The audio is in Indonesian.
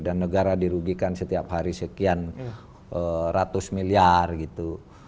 dan negara dirugikan setiap hari sekian ratus miliar gitu